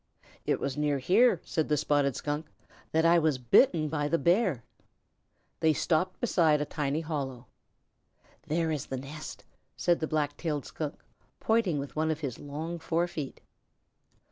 "It was near here," said the Spotted Skunk, "that I was bitten by the Bear." They stopped beside a tiny hollow. "There is the nest," said the Black tailed Skunk, pointing with one of his long forefeet.